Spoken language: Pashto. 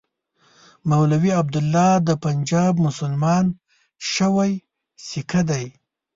مولوي عبیدالله د پنجاب مسلمان شوی سیکه دی.